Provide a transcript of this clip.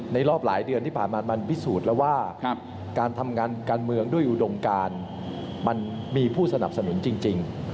รอบหลายเดือนที่ผ่านมามันพิสูจน์แล้วว่าการทำงานการเมืองด้วยอุดมการมันมีผู้สนับสนุนจริง